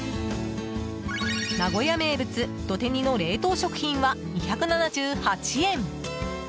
名古屋名物、どて煮の冷凍食品は２７８円。